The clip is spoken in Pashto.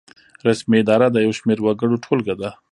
رسمي اداره د یو شمیر وګړو ټولګه ده.